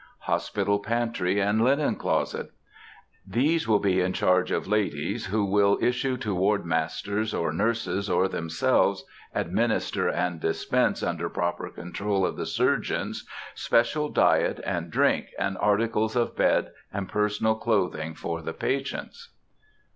HOSPITAL PANTRY AND LINEN CLOSET. These will be in charge of ladies, who will issue to ward masters or nurses, or themselves administer and dispense, under proper control of the surgeons, special diet and drink, and articles of bed and personal clothing for the patients.